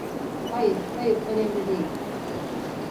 Hayır, hayır, önemli değil.